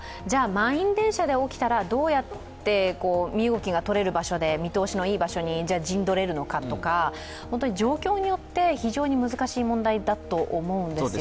満員電車で起きたら、どうやって身動きがとれる場所で見通しのいい場所に、陣取れるのかとか状況によって非常に難しい問題だと思うんですよ。